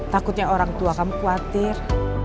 takutnya orang tua kamu khawatir